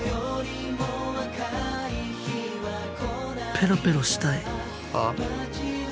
ペロペロしてぇ！